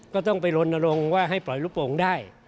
ก็ต้องไปลนลงว่าให้ปล่อยลูกโป่งได้